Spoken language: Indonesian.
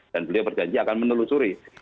dan beliau berjanji akan menelusuri